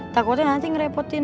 takutnya nanti ngerepotin tante lagi